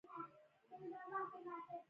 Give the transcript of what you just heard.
دولت یو شمېر کسانو ته په پټه پیسې ورکولې.